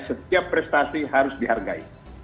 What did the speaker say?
setiap prestasi harus dihargai